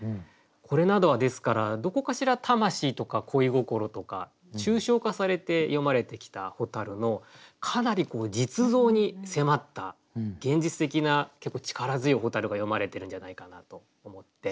これなどはですからどこかしら魂とか恋心とか抽象化されて詠まれてきた蛍のかなり実像に迫った現実的な結構力強い蛍が詠まれてるんじゃないかなと思って。